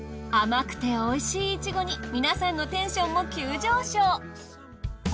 甘くておいしいいちごに皆さんのテンションも急上昇。